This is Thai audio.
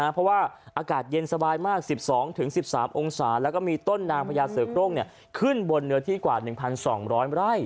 เพราะว่าอากาศเย็นสบายมาก๑๒๑๓องศาแล้วก็มีต้นนางพญาเสือโครงขึ้นบนเนื้อที่กว่า๑๒๐๐ไร่